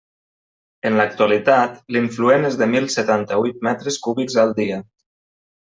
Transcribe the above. En l'actualitat, l'influent és de mil setanta-huit metres cúbics al dia.